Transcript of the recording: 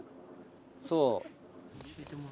そう。